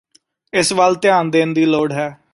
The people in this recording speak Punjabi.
ਇਸ ਵਲ ਧਿਆਨ ਦੇਣ ਦੀ ਲੋੜ ਹੈ